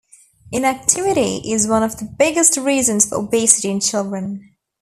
Inactivity is one of the biggest reasons for obesity in children.